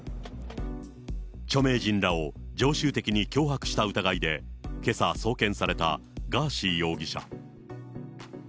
著名人らを常習的に脅迫した疑いで、けさ送検されたガーシー容疑者。